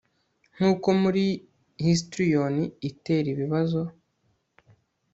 Nko muri histrion itera ibibazo